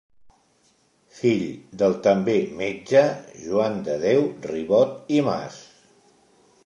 Fill del també metge Joan de Déu Ribot i Mas.